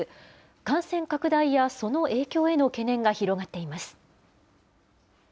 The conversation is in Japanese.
感染拡大やその影響への懸念が広がっています。